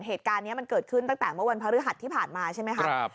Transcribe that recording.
เหตุการณ์นี้มันเกิดขึ้นตั้งแต่เมื่อวันพฤหัสที่ผ่านมาใช่ไหมคะ